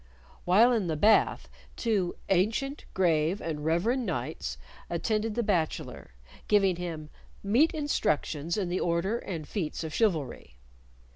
While in the bath two "ancient, grave, and reverend knights" attended the bachelor, giving him "meet instructions in the order and feats of chivalry."